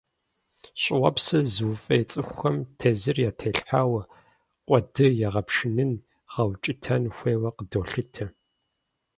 Щӏыуэпсыр зыуфӏей цӏыхухэм тезыр ятелъхьауэ, къуэды егъэпшынын, гъэукӏытэн хуейуэ къыдолъытэ.